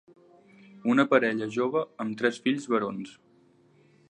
Una parella jove amb tres fills barons.